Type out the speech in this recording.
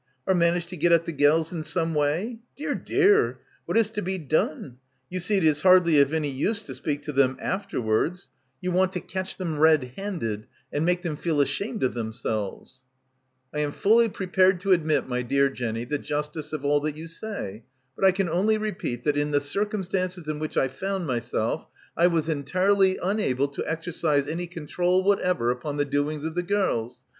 — or managed to get at the gels in some way— dear, dear, what is to be done? You see it is hardly of any use to speak to them afterwards. You want — 100 —•» BACKWATER to catch them red handed and make them feel ashamed of themselves." "I am fully prepared to admit, my dear Jenny, the justice of all that you say. But I can only repeat that in the circumstances in which I found myself I was entirely unable to exercise any con trol whatever upon the doings of the gels.